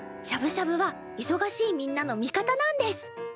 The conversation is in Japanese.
しゃぶしゃぶはいそがしいみんなの味方なんです！